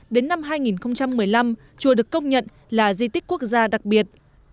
đến năm hai nghìn một mươi năm chùa được công nhận là di tích quốc gia đặc biệt